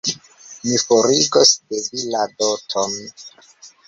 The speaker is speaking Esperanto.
Mi forigos de vi la doton.